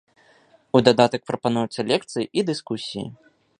У дадатак прапануюцца лекцыі і дыскусіі.